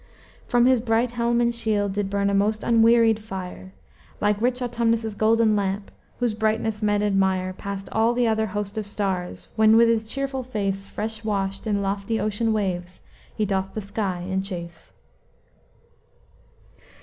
"From his bright helm and shield did burn a most unwearied fire, Like rich Autumnus' golden lamp, whose brightness men admire, Past all the other host of stars when, with his cheerful face, Fresh washed in lofty ocean waves, he doth the sky enchase."